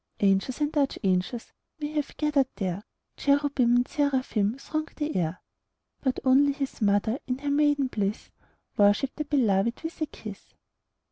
Angels and archangels May have gathered there, Cherubim and seraphim Thronged the air; But only His mother, In her maiden bliss, Worshipped the Beloved With a kiss.